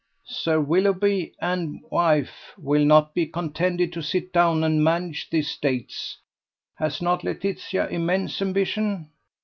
Sir Willoughby and wife will not be contented to sit down and manage the estates. Has not Laetitia immense ambition?